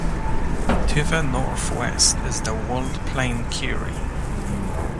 To the northwest is the walled plain Curie.